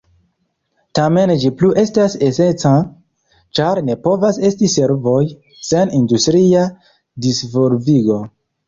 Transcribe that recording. Tamen ĝi plu estas esenca, ĉar ne povas esti servoj sen industria disvolvigo.